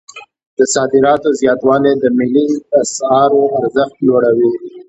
د صادراتو زیاتوالی د ملي اسعارو ارزښت لوړوي.